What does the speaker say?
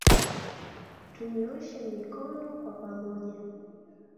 Tunyooshe mikono kwa pamoja